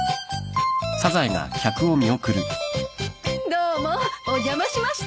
どうもお邪魔しました。